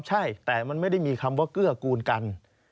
ใช่แต่มันไม่ได้มีคำว่าเกื้อกูลกัน